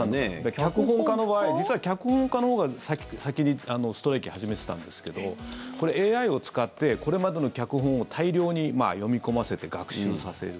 脚本家の場合実は脚本家のほうが先にストライキ始めてたんですがこれ、ＡＩを使ってこれまでの脚本を大量に読み込ませて学習させる。